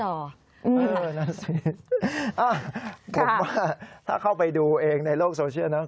นั่นสิผมว่าถ้าเข้าไปดูเองในโลกโซเชียลนะ